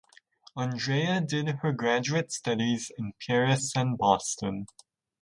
Andrea did her graduate studies in Paris and Boston.